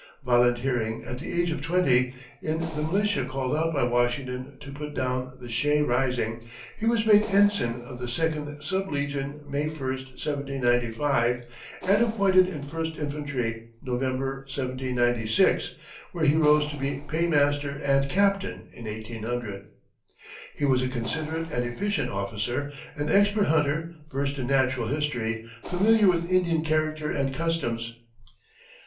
Volunteering, at the age of twenty, in the militia called out by Washington to put down the Shay rising, he was made ensign of the Second Sub Legion May 1, 1795, and appointed in First Infantry November, 1796, where he rose to be paymaster and captain in 1800. He was a considerate and efficient officer, an expert hunter, versed in natural history, familiar with Indian character and customs.